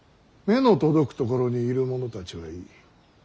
目の届く所にいる者たちはいい。